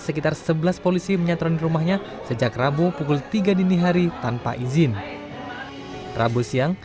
sekitar sebelas polisi menyatroni rumahnya sejak rabu pukul tiga dini hari tanpa izin rabu siang